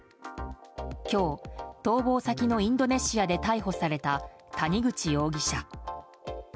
今日、逃亡先のインドネシアで逮捕された谷口容疑者。